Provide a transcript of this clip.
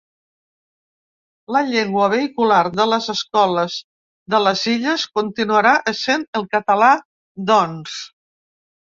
La llengua vehicular de les escoles de les Illes continuarà essent el català, doncs.